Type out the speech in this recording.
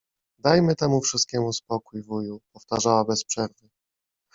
„Dajmy temu wszystkiemu spokój, wuju!” — powtarzała bez przerwy.